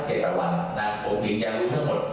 ผมถึงจะรู้เครื่องหมด